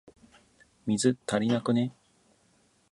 水、足りなくね？